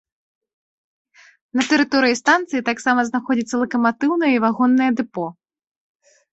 На тэрыторыі станцыі таксама знаходзяцца лакаматыўнае і вагоннае дэпо.